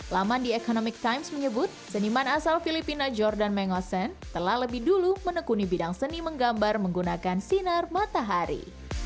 laman the economic times menyebut seniman asal filipina jordan mengosen telah lebih dulu menekuni bidang seni menggambar menggunakan sinar matahari